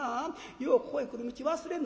ようここへ来る道忘れなんだこと。